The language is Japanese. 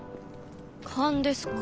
勘ですか。